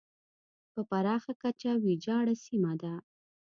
په پراخه کچه ویجاړه سیمه ده.